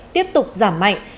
tiếp tục giảm mạnh